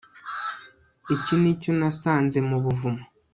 iki nicyo nasanze mu buvumo